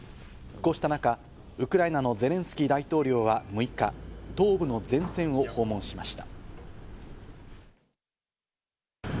こうした中、ウクライナのゼレンスキー大統領は６日、東部の前線を訪問しました。